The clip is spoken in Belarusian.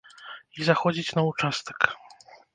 І заходзіць на участак.